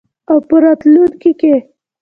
او په راتلونکي کې.